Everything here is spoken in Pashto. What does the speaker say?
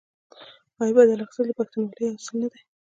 آیا بدل اخیستل د پښتونولۍ یو اصل نه دی؟